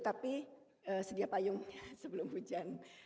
tapi sedia payungnya sebelum hujan